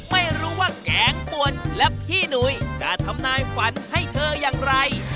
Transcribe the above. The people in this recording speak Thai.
ไม่รู้ว่าแกงป่วนและพี่หนุ้ยจะทำนายฝันให้เธออย่างไร